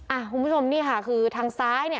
คุณผู้ชมนี่ค่ะคือทางซ้ายเนี่ย